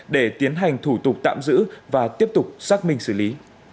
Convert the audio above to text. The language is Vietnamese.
để tiến hành thủ tục tạm giữ và tiếp tục xác minh xử lý